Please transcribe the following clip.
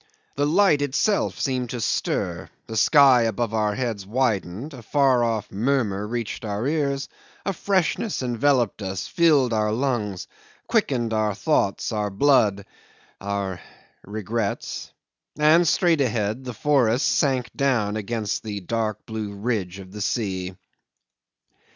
The light itself seemed to stir, the sky above our heads widened, a far off murmur reached our ears, a freshness enveloped us, filled our lungs, quickened our thoughts, our blood, our regrets and, straight ahead, the forests sank down against the dark blue ridge of the sea.